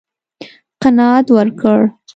قناعت ورکړ.